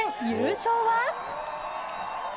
優勝は？